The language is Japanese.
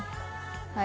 はい。